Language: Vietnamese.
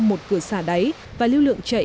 một cửa xà đáy và lưu lượng chạy